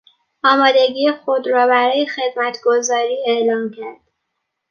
آمادگی خود را برای خدمتگزاری اعلام کرد.